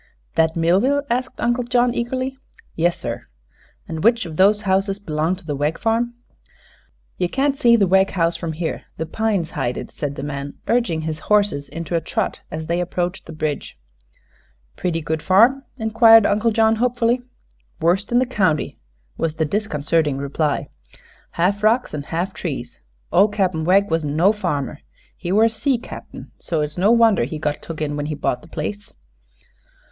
"That Millville?" asked Uncle John, eagerly. "Yes, sir." "And which of those houses belongs to the Wegg farm?" "Ye can't see the Wegg house from here; the pines hide it," said the man, urging his horses into a trot as they approached the bridge. "Pretty good farm?" inquired Uncle John, hopefully. "Worst in the county," was the disconcerting reply. "Half rocks an' half trees. Ol' Cap'n Wegg wasn't no farmer. He were a sea cap'n; so it's no wonder he got took in when he bought the place."